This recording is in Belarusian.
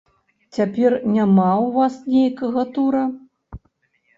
Цяпер няма ў вас нейкага тура?